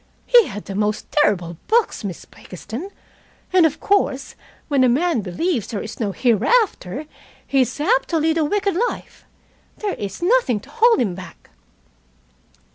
He had the most terrible books, Miss Blakiston. And, of course, when a man believes there is no hereafter, he is apt to lead a wicked life. There is nothing to hold him back."